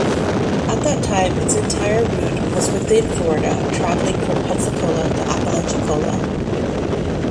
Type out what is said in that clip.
At that time, its entire route was within Florida, traveling from Pensacola to Apalachicola.